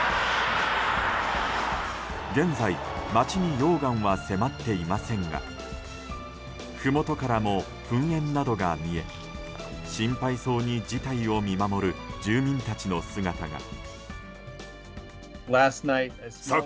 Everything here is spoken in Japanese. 現在、街に溶岩は迫っていませんがふもとからも噴煙などが見え心配そうに事態を見守る住民たちの姿が。